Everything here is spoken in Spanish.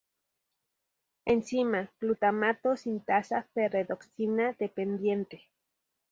Enzima: Glutamato sintasa-Ferredoxina dependiente.